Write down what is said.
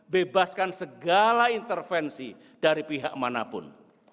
bebaskan segala intervensi dari pihak manapun